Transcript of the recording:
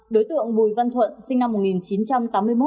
đối tượng bùi văn thuận sinh năm một nghìn chín trăm tám mươi một